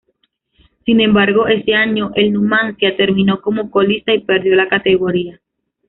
Sin embargo, ese año el Numancia terminó como colista y perdió la categoría.